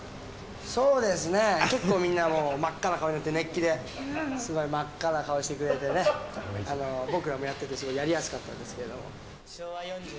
そうですね、結構みんな、真っ赤な顔で、熱気で、すごい真っ赤な顔してくれてね、僕らもやっててすごいやりやすかったですけれども。